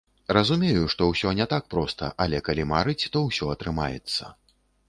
Разумею, што ўсё не так проста, але, калі марыць, то ўсё атрымаецца.